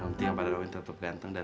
mending abang daryl tuntup ganteng dan